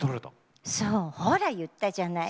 ほら、言ったじゃない。